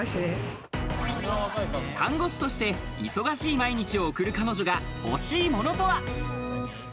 看護師として忙しい毎日を送る彼女が欲しいものとは？